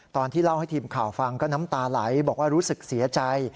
ตอนที่เล่าให้ทีมข่าวฟังก็น้ำตาไหลบอกว่ารู้สึกเสียใจ